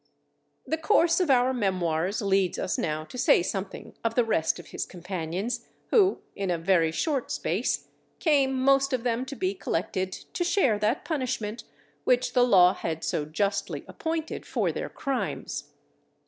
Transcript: The course of our memoirs leads us now to say something of the rest of his companions, who in a very short space came most of them to be collected to share that punishment which the Law had so justly appointed for their crimes.